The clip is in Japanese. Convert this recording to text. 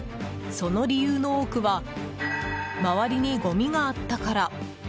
その理由の多くは周りにごみがあったから。